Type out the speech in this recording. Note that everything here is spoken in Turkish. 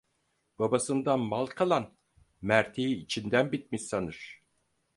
Babasından mal kalan, merteği içinden bitmiş sanır.